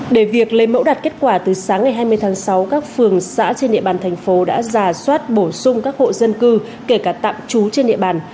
để việc lấy mẫu đạt kết quả từ sáng ngày hai mươi tháng sáu các phường xã trên địa bàn thành phố đã giả soát bổ sung các hộ dân cư kể cả tạm trú trên địa bàn